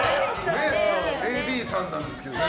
ＡＤさんなんですけどね。